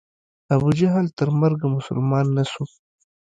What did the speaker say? ابو جهل تر مرګه مسلمان نه سو.